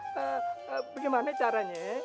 eh eh bagaimana caranya